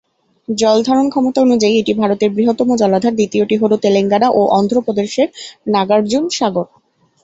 জল ধারণ ক্ষমতা অনুযায়ী, এটি ভারতের বৃহত্তম জলাধার; দ্বিতীয়টি হল তেলেঙ্গানা ও অন্ধ্র প্রদেশের নাগার্জুন সাগর।